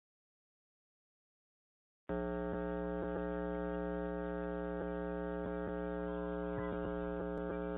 I think this would be an interesting artistic conceit to play around with.